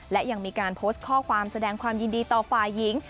และยังมีการโพสต์ข้อความแสดงความยินดีต่อฝ่ายหญิง